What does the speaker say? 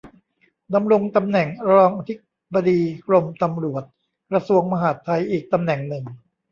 ดำรงตำแหน่งรองอธิบดีกรมตำรวจ กระทรวงมหาดไทย อีกตำแหน่งหนึ่ง